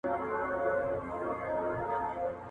د ډېري اغزى، د يوه غوزى.